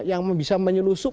yang bisa menyelusup